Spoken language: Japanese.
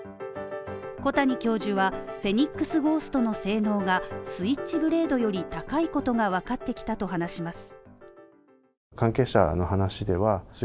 小谷教授は、フェニックスゴーストの性能がスイッチブレードより高いことがわかってきたと話します。